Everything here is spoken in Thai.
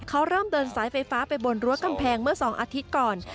เขาเริ่มเดินสายไฟฟ้าไปบนรั้วกำแพงเมื่อ๒อาทิตย์ก่อน